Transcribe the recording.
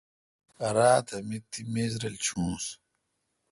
راتہ می تی میز رل چونس۔